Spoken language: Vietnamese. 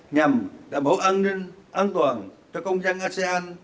nhằm đảm bảo an ninh an toàn cho công dân asean